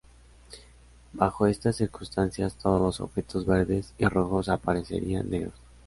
Bajo estas circunstancias, todos los objetos verdes y rojos aparecerían negros.